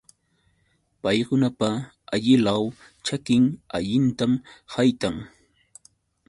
Paykunapa allilaw ćhakin allintam haytan.